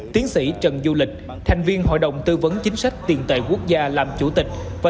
tiến sĩ trần du lịch thành viên hội đồng tư vấn chính sách tiền tệ quốc gia